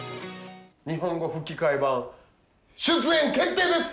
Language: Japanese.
日本語吹き替え版、出演決定